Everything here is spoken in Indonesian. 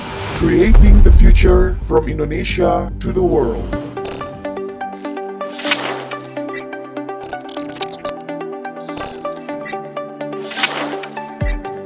menciptakan masa depan dari indonesia ke dunia